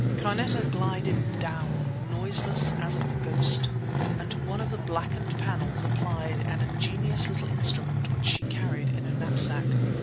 Carneta glided down, noiseless as a ghost, and to one of the blackened panels applied an ingenious little instrument which she carried in her knapsack.